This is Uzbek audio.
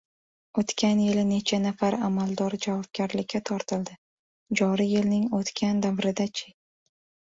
O‘tgan yili necha nafar amaldor javobgarlikka tortildi? Joriy yilning o‘tgan davrida-chi?